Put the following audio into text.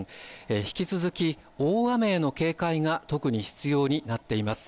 引き続き大雨への警戒が特に必要になっています。